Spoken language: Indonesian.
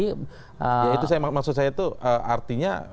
ya itu maksud saya itu artinya